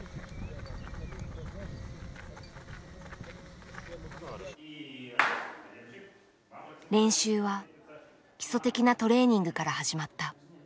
練習は基礎的なトレーニングから始まった。